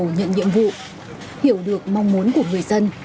những ngày đầu nhận nhiệm vụ hiểu được mong muốn của người dân